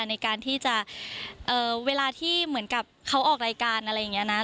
ในการที่จะเวลาที่เหมือนกับเขาออกรายการอะไรอย่างนี้นะ